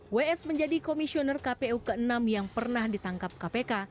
ws menjadi komisioner kpu ke enam yang pernah ditangkap kpk